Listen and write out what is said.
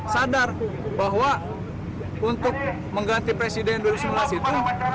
sadar bahwa untuk mengganti presiden dua ribu sembilan belas itu